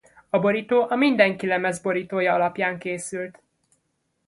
A borító a Mindenki lemez borítója alapján készült.